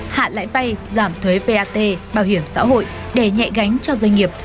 hạ lãi vay giảm thuế vat bảo hiểm xã hội để nhạy gánh cho doanh nghiệp